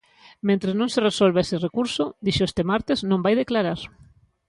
Mentres non se resolva ese recurso, dixo este martes, non vai declarar.